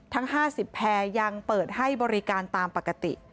ทั้ง๕๐แพรยังเปิดให้บริการตามปกติ